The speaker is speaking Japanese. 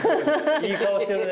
いい顔してるね